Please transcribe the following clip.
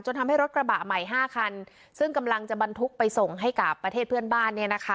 ทำให้รถกระบะใหม่๕คันซึ่งกำลังจะบรรทุกไปส่งให้กับประเทศเพื่อนบ้านเนี่ยนะคะ